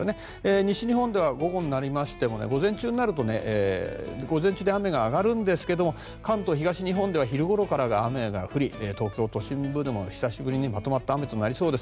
西日本では午前中で雨が上がるんですが関東、東日本では昼ごろから雨が降り東京都心部でも久しぶりにまとまった雨になりそうです。